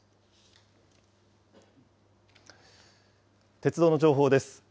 鉄道の情報です。